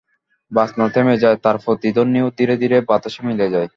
বাজনা থেমে যায়, তার প্রতিধ্বনিও ধীরে ধীরে বাতাসে মিলিয়ে যায়।